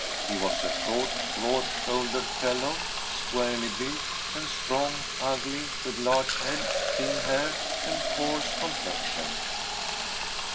He was a short, broad shouldered fellow, squarely built and strong, ugly, with a large head, thin hair, and coarse complexion.